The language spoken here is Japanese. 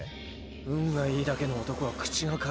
運がいいだけの男は口が軽い。